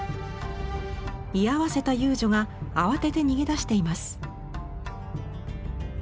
居合わせた遊女が慌てて逃げ出しています。